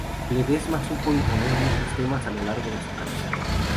Ledesma supo imponer muchos temas a lo largo de su carrera.